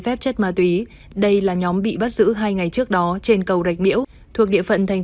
phép chất ma túy đây là nhóm bị bắt giữ hai ngày trước đó trên cầu rạch miễu thuộc địa phận thành